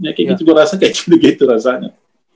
kayaknya gue rasa kayak gitu gitu rasanya